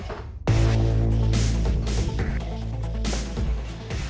dalam dua hari lagi